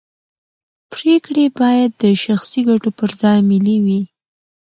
پرېکړې باید د شخصي ګټو پر ځای ملي وي